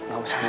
gak usah bu